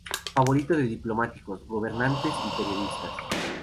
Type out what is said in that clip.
Favorito de diplomáticos, gobernantes y periodistas.